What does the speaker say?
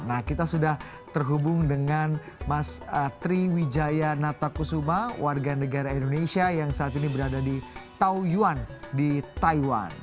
nah kita sudah terhubung dengan mas triwijaya natakusuma warga negara indonesia yang saat ini berada di tao yuan di taiwan